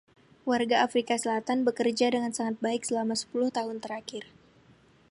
Warga Afrika Selatan bekerja dengan sangat baik selama sepuluh tahun terakhir.